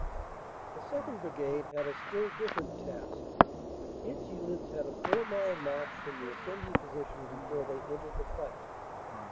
"The 2nd. Brigade had a still different task. Its units had a four mile march from the assembly position before they entered the fight.